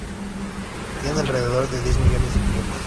Tiene alrededor de diez millones de clientes.